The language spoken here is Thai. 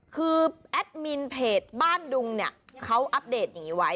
คือแอดมินเพจบ้านดุงเนี่ยเขาอัปเดตอย่างนี้ไว้